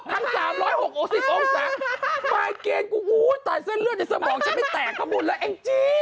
คันสามร้อยหกสี่สองสักไปเกณฑ์กูฮู้ต่างเส้นเลือดในสมองฉันไม่แตกก็บุญแล้วแอ้งจี